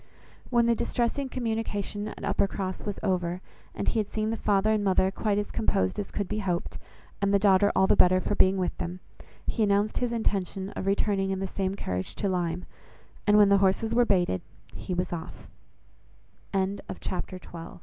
When the distressing communication at Uppercross was over, and he had seen the father and mother quite as composed as could be hoped, and the daughter all the better for being with them, he announced his intention of returning in the same carriage to Lyme; and when the horses were baited, he was off. (End of volume one.) CHAPTER XIII.